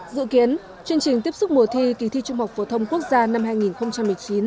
dự kiến chương trình tiếp xúc mùa thi kỳ thi trung học phổ thông quốc gia năm hai nghìn một mươi chín